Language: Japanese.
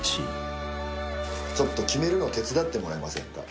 ちょっと決めるの手伝ってもらえませんか？